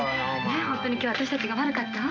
本当に今日は私たちが悪かったわ。